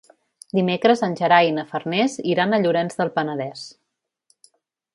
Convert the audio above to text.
Dimecres en Gerai i na Farners iran a Llorenç del Penedès.